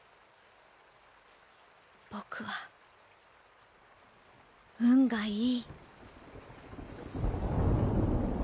僕は運がいい。